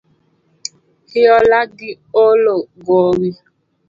Hiola gi olo gowi.